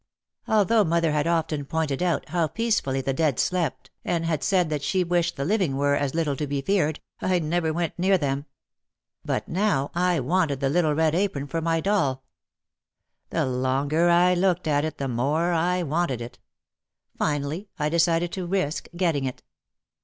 Although mother had often pointed out 12 OUT OF THE SHADOW how peacefully the dead slept and had said that she wished the living were as little to be feared, I never went near them. But now I wanted the little red apron for my doll. The longer I looked at it the more I wanted it. Finally, I decided to risk getting it.